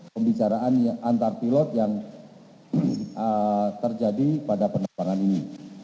pembicaraan antar pilot yang terjadi pada penerbangan ini